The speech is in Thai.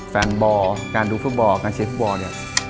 แฟนบอร์การดูฟุตบอร์การเชฟบอร์เนี่ย